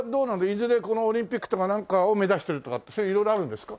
いずれオリンピックとかなんかを目指してるとかってそういう色々あるんですか？